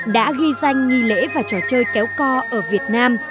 đã ghi danh nghi lễ và trò chơi kéo co ở việt nam